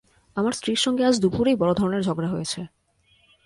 আমার স্ত্রীর সঙ্গে আজ দুপুরেই বড় ধরনের ঝগড়া হয়েছে।